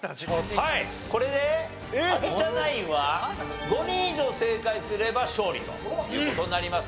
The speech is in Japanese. はいこれで有田ナインは５人以上正解すれば勝利という事になります。